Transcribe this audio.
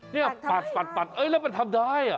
ใช่ปัดปัดปัดแล้วมันทำได้